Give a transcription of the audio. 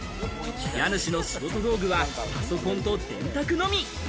家主の仕事道具はパソコンと電卓のみ。